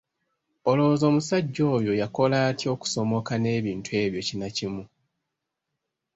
Olowooza omusajja oyo yakola atya okusomoka n'ebintu ebyo kinnakimu?